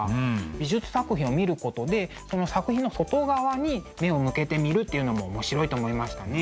美術作品を見ることでその作品の外側に目を向けてみるっていうのも面白いと思いましたね。